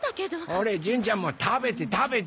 ほれ純ちゃんも食べて食べて。